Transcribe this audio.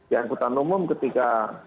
yang hutan umum ketika apa